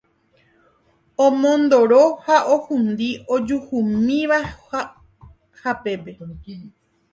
Omondoro ha ohundi ojuhumíva hapépe